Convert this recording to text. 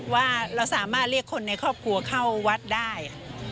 ว่าเราสามารถเรียกคนในครอบครัวเข้าวัดได้